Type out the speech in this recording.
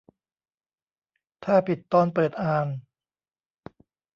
ถ้าผิดตอนเปิดอ่าน